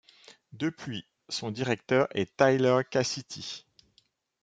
Depuis, son directeur est Tyler Cassity.